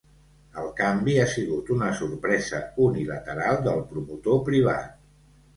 El canvi ha sigut una sorpresa unilateral del promotor privat.